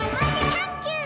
サンキュー！